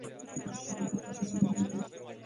Ar fi făcut acest lucru ieri.